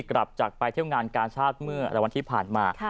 กลับจากไปเที่ยวงานกาชาติเมื่อวันที่ผ่านมา